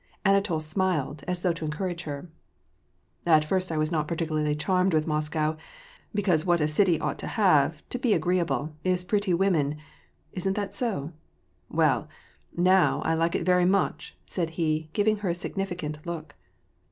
Anatol smiled, as though to encour^;e her. ^^ At first I was not particularly charmed with Moscow, be cause what a city ought to have, to be agreeable, is pretty women ; isn't that so ? Well, now I like it very much," said he, giving her a significant look.